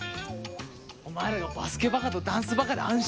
お前らがバスケバカとダンスバカで安心したわ！